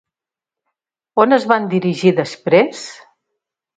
On es van dirigir després?